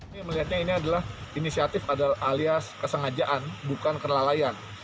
ini melihatnya ini adalah inisiatif alias kesengajaan bukan kenalayan